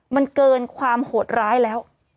มันเกินความโหดร้ายแล้ว